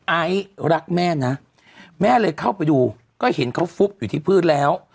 ไอซ์รักแม่นะแม่เลยเข้าไปดูก็เห็นเขาฟุบอยู่ที่พื้นแล้ว